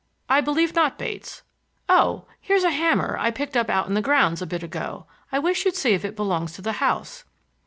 "I believe not, Bates. Oh! here's a hammer I picked up out in the grounds a bit ago. I wish you'd see if it belongs to the house."